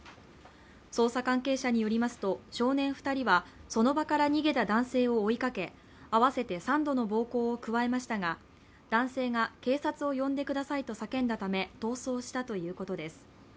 捜査関係者によりますと、少年２人はその場から逃げた男性を追いかけ合わせて３度の暴行を加えましたが男性が警察を呼んでくださいと叫んだため逃走したということです。